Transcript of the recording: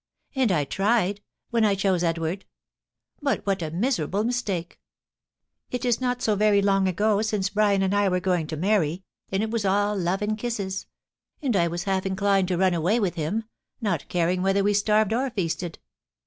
And I tried, when I chose Edward ; but what a miserable mistake !.... It is not so very long ago since Brian and I were going to marry, and it was all love and kisses ; and I was half inclined to run away with him, not caring whether we starved or feasted.